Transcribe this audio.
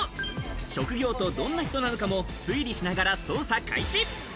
職業とどんな人なのかも推理しながら捜査開始。